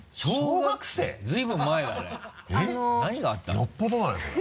よっぽどだねそれ。